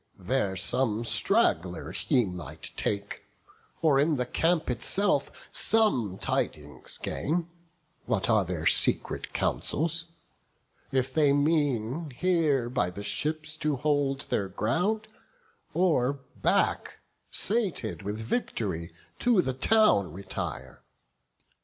there some straggler he might take, Or in the camp itself some tidings gain, What are their secret counsels; if they mean Here by the ships to hold their ground, or back, Sated with vict'ry, to the town retire.